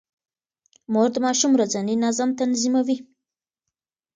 مور د ماشوم ورځنی نظم تنظيموي.